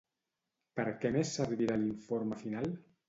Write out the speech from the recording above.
Per què més servirà l'informe final?